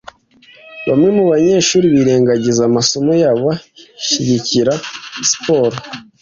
Bamwe mubanyeshuri birengagiza amasomo yabo bashigikira siporo.